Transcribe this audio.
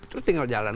terus tinggal jalan